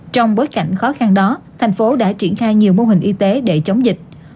trong bối cảnh khó khăn đó thành phố đã triển khai nhiều mô hình y tế để chống dịch